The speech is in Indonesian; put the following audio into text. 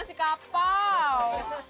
makasih ya pak